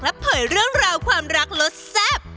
เผยเรื่องราวความรักรสแซ่บ